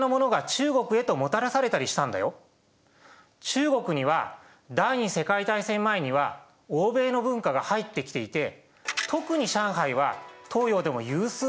中国には第二次世界大戦前には欧米の文化が入ってきていて特に上海は東洋でも有数な豊かな都市だった。